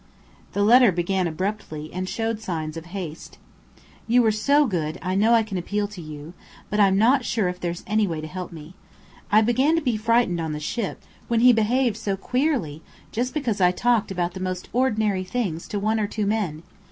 The letter began abruptly, and showed signs of haste: "You were so good, I know I can appeal to you, but I'm not sure if there's any way to help me. I began to be frightened on the ship, when he behaved so queerly, just because I talked about the most ordinary things to one or two men.